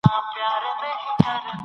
عامه افکار تر پخوا زيات ارزښت لري.